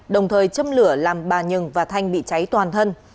đồng thời châm lửa làm bà nhường và thanh bị cháy toàn thân